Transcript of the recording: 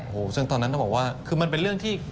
โอ้โหซึ่งตอนนั้นต้องบอกว่าคือมันเป็นเรื่องที่